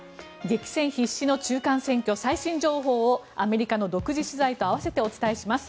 激戦必至の中間選挙最新情報をアメリカの独自取材と合わせてお伝えします。